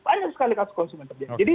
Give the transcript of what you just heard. banyak sekali kasus konsumen terjadi